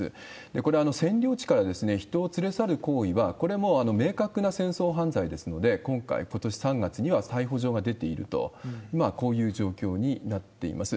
これは占領地から人を連れ去る行為は、これはもう明確な戦争犯罪ですので、今回、ことし３月には逮捕状が出ていると、こういう状況になっています。